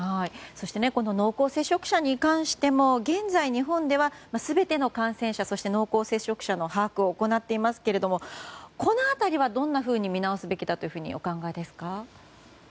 そして濃厚接触者に関しても現在、日本では全ての感染者そして濃厚接触者の把握を行っていますけどもこの辺りは、どう見直すべきだとお考えですか？